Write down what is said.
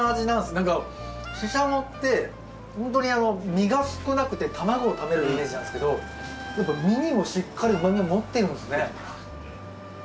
なんかシシャモってホントに身が少なくて卵を食べるイメージなんですけどなんか身にもしっかりうま味を持ってるんですね。